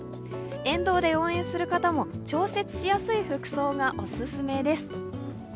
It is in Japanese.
沿道で応援する方も調節しやすい服装がおすすめです。